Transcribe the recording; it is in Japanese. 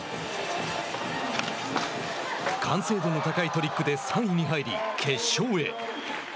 完成度の高いトリックで３位に入り、決勝へ。